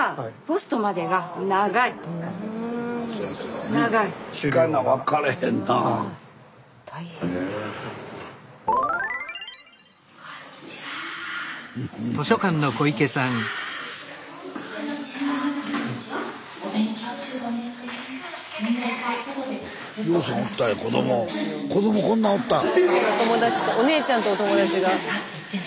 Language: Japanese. スタジオお友達とお姉ちゃんとお友達が。